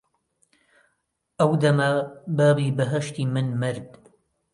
ئەو دەمە بابی بەهەشتی من مرد